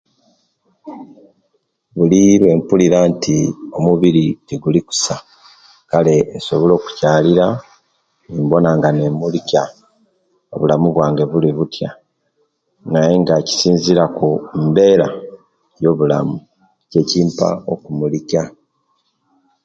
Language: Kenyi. Buli ewempulira nti omubiri teguli kusa kale nsobola okukyalira nibonanga nemulikya obulamu bwange buli butya nayenga kisinzirira ku mbeera yowulamu nikyo ekimpa okwemulikya.